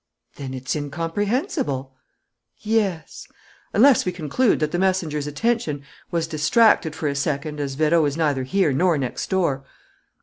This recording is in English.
"Then it's incomprehensible." "Yes ... unless we conclude that the messenger's attention was distracted for a second, as Vérot is neither here nor next door."